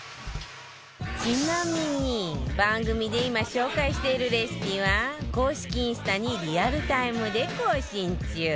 ちなみに番組で今紹介しているレシピは公式インスタにリアルタイムで更新中。